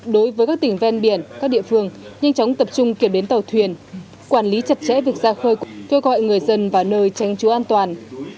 đối với các tỉnh ven biển các địa phương nhanh chóng tập trung kiểm biến tàu thuyền quản lý chặt chẽ việc ra khơi thuê gọi người dân và nơi tranh chú an toàn